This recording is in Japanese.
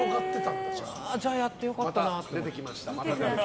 じゃあ、やって良かったなって。